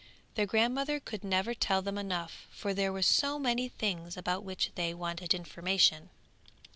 Their grandmother could never tell them enough, for there were so many things about which they wanted information.